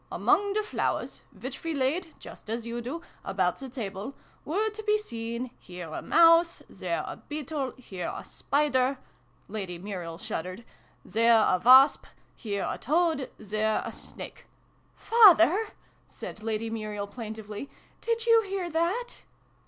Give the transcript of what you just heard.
Among the flowers, which we laid (just as you do) about the table, were to be seen, here a mouse, there a beetle ; here a spider," (Lady Muriel shuddered) "there a wasp ; here a toad, there a snake ;" ("Father !" ix] THE FAREWELL PARTY. 145 said Lady Muriel, plaintively. " Did you hear that